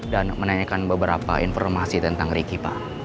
dan menanyakan beberapa informasi tentang ricky pa